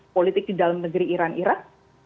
politik di dalam negeri iran iran